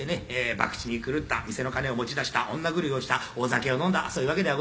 ばくちに狂った店の金を持ち出した女狂いをしたお酒を飲んだそういうわけではございません」